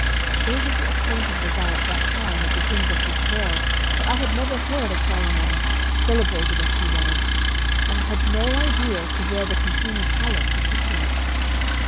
So little acquainted was I at that time with the things of this world that I had never heard of Clarimonde, celebrated as she was, and I had no idea as to where the Concini Palace was situated.